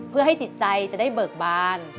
เพื่อให้จิตใจจะได้เบิกบาน